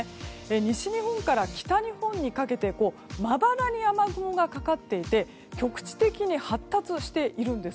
西日本から北日本にかけてまばらに雨雲がかかっていて局地的に発達しているんです。